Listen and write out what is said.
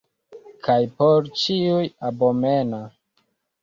Kaj por ĉiuj abomena!